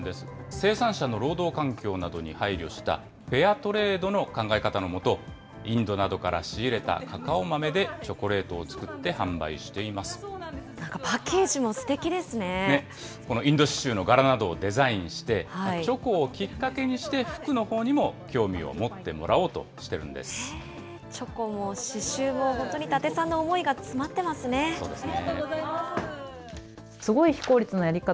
生産者の労働環境などに配慮したフェアトレードの考え方の下、インドなどから仕入れたカカオ豆でチョコレートを作って販売してなんかパッケージもすてきでこのインド刺しゅうの柄などをデザインして、チョコをきっかけにして服のほうにも興味を持っチョコも刺しゅうも、本当にそうですね。